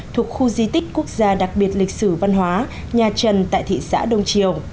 thuộc khu di tích quốc gia đặc biệt lịch sử văn hóa nhà trần tại thị xã đông triều